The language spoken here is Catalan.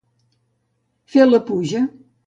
Fer la puja.